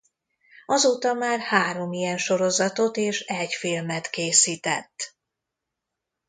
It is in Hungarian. Azóta már három ilyen sorozatot és egy filmet készített.